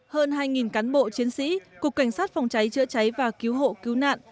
hơn hai cán bộ chiến sĩ cục cảnh sát phòng cháy chữa cháy và cứu hộ cứu nạn